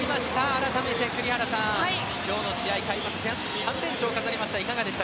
改めて、栗原さん今日の試合開幕戦３連勝を飾りました。